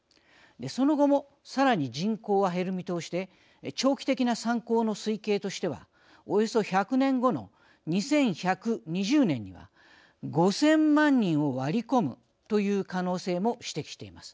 その後もさらに人口は減る見通しで長期的な参考の推計としてはおよそ１００年後の２１２０年には５，０００万人を割り込むという可能性も指摘しています。